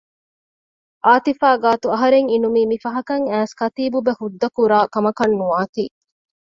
އާތިފާ ގާތު އަހަރެން އިނުމީ މި ފަހަކަށް އައިސް ކަތީބުބެ ހުއްދަކުރާ ކަމަކަށް ނުވާތީ